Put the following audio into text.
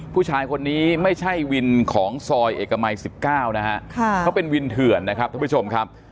ผู้ชายคนนี้ไม่ใช่วินของซอยเอกมัย๑๙นะฮะเขาเป็นวินเถื่อนนะครับท่านผู้ชมครับ